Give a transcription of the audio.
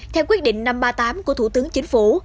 theo quyết định năm trăm ba mươi tám của thủ tướng chính phủ